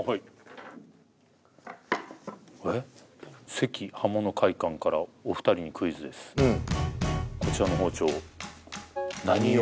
関刃物会館からお二人にクイズですうんこちらの包丁何用？